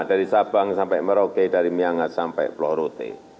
dari sabang sampai merauke dari miangas sampai pulau rute